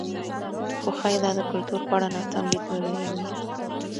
خو ښايي دا د کلتور په اړه ناسم لیدلوری وي.